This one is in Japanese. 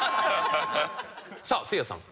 さあせいやさん。